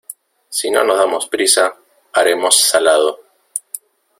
Si no nos damos prisa, haremos salado.